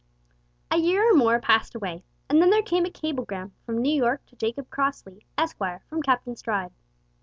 A year or more passed away, and then there came a cablegram from New York to Jacob Crossley, Esquire, from Captain Stride.